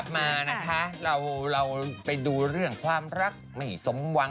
มันจะไม่เป็นเรื่องสติเดี๋ยว